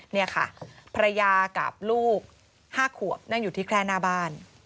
เนี่ยค่ะพระยากับลูก๕ขัวนั่งอยู่ที่แคลน่าบ้าน